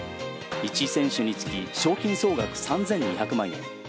１選手につき賞金総額３２００万円。